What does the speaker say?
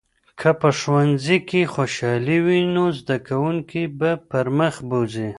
که په ښوونځي کې خوشالي وي، نو زده کوونکي به پرمخ بوځي.